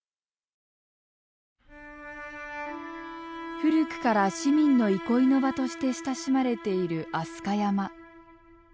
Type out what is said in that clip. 古くから市民の憩いの場として親しまれている飛鳥山。